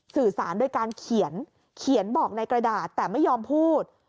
สื่อสารโดยการเขียนเขียนบอกในกระดาษแต่ไม่ยอมพูด